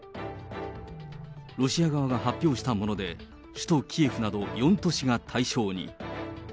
ロシア側が発表したもので、首都キエフなど４都市が対象に。